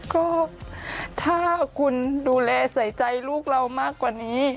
ก็ถ้าคุณดูแลใส่ใจลูกเรามากกว่านี้